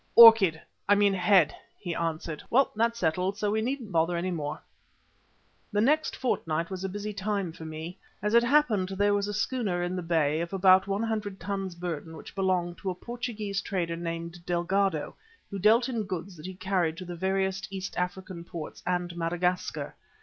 "Orchid I mean head," he answered. "Well, that's settled, so we needn't bother any more." The next fortnight was a busy time for me. As it happened there was a schooner in the bay of about one hundred tons burden which belonged to a Portuguese trader named Delgado, who dealt in goods that he carried to the various East African ports and Madagascar.